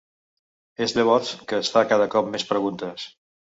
És llavors que es fa cada cop més preguntes.